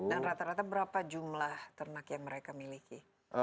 dan rata rata berapa jumlah ternak yang mereka miliki